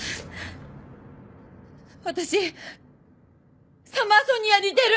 私サマーソニアに出る！